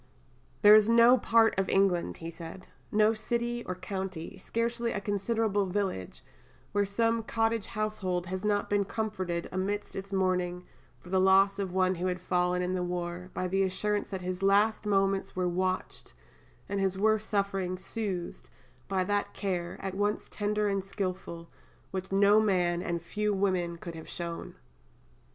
"There is no part of England," he said, "no city or county, scarcely a considerable village, where some cottage household has not been comforted amidst its mourning for the loss of one who had fallen in the war, by the assurance that his last moments were watched, and his worst sufferings soothed, by that care, at once tender and skilful, which no man, and few women, could have shown.